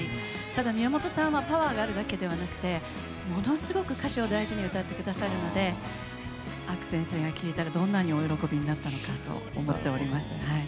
宮本さんはパワーがあるだけではなくものすごく歌詞を大事に歌ってくださるので阿久先生が聴いたらどんなにお喜びになったかと思っております。